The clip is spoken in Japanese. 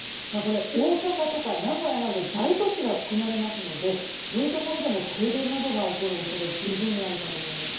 大阪とか名古屋など大都市が含まれますのでそういうところでも停電などが起こる恐れ十分にあるかと思います。